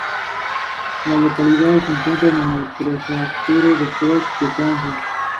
Allí volvió a enfermar con un mal que no lo dejaría hasta la muerte.